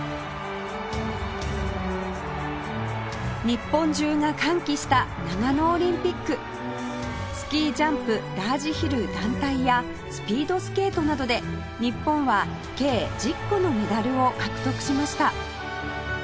日本中が歓喜した長野オリンピックスキージャンプラージヒル団体やスピードスケートなどで日本は計１０個のメダルを獲得しました